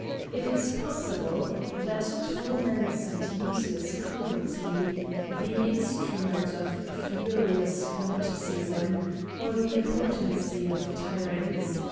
Is it possible that torments and useless cruelty, the instrument of furious fanati cism or the impotency of tyrant£>.